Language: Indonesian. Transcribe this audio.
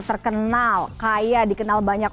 terkenal kaya dikenal banyak